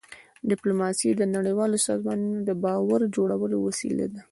ډيپلوماسي د نړیوالو سازمانونو د باور جوړولو وسیله ده.